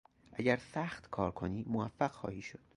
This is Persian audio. اگر سخت کار کنی موفق خواهی شد.